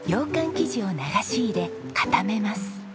生地を流し入れ固めます。